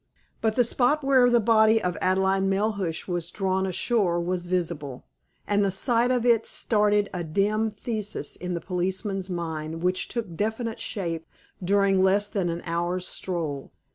But the spot where the body of Adelaide Melhuish was drawn ashore was visible, and the sight of it started a dim thesis in the policeman's mind which took definite shape during less than an hour's stroll.